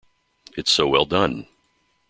It's so well done.